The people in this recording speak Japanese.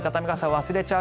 忘れちゃう。